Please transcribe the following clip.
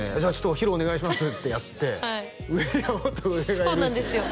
「披露お願いします」ってやって上にはもっと上がいるしそうなんですよ